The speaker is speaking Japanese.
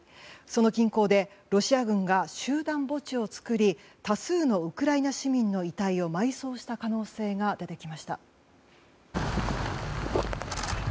その近郊でロシア軍が集団墓地を作り多数のウクライナ市民の遺体を埋葬した可能性が出てきました。